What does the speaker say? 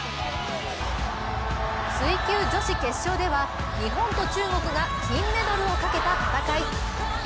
水球女子決勝では日本と中国が金メダルをかけた戦い。